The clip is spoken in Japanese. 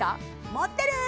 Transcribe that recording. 持ってる！